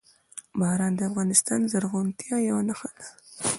باران د افغانستان د زرغونتیا یوه نښه ده.